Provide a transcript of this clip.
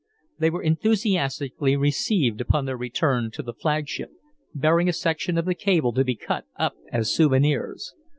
They were enthusiastically received upon their return to the flagship, bearing a section of the cable to be cut up as souvenirs.